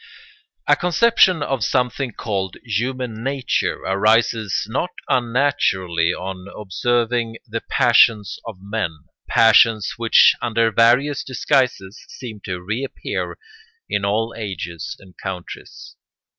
] A conception of something called human nature arises not unnaturally on observing the passions of men, passions which under various disguises seem to reappear in all ages and countries.